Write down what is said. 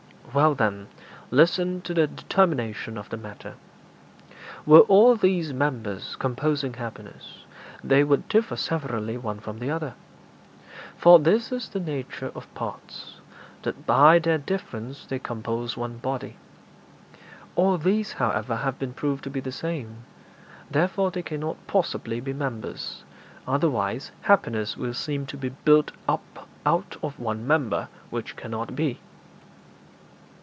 'Well, then, listen to the determination of the matter. Were all these members composing happiness, they would differ severally one from the other. For this is the nature of parts that by their difference they compose one body. All these, however, have been proved to be the same; therefore they cannot possibly be members, otherwise happiness will seem to be built up out of one member, which cannot be.'